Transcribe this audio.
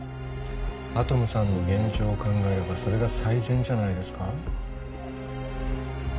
アトムさんの現状を考えればそれが最善じゃないですか？